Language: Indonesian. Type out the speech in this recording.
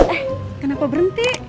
eh kenapa berhenti